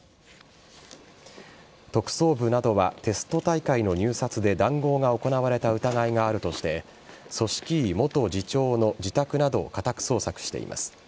特捜部などはテスト大会の入札で談合が行われた疑いがあるとして組織委・元次長の自宅などを家宅捜索しています。